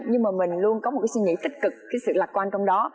nhưng mà mình luôn có một suy nghĩ tích cực sự lạc quan trong đó